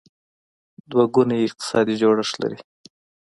دوه ګونی اقتصادي جوړښت لري.